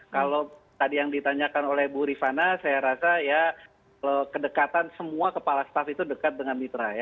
kalau tadi yang ditanyakan oleh bu rifana saya rasa ya kedekatan semua kepala staf itu dekat dengan mitra ya